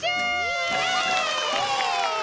イエイ！